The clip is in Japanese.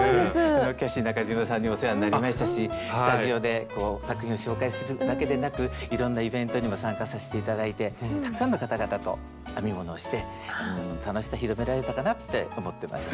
キャシー中島さんにもお世話になりましたしスタジオで作品を紹介するだけでなくいろんなイベントにも参加させて頂いてたくさんの方々と編み物をして編み物の楽しさ広められたかなって思ってます。